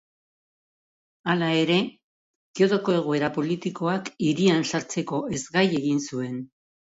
Hala ere, Kiotoko egoera politikoak, hirian sartzeko ezgai egin zuen.